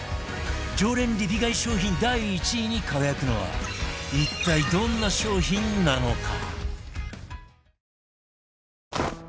常連リピ買い商品第１位に輝くのは一体どんな商品なのか？